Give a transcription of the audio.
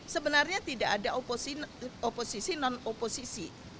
sebenarnya tidak ada oposisi non oposisi